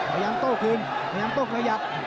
ขยับโตคืนขยับโตขยับ